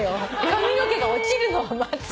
髪の毛が落ちるのを待つ。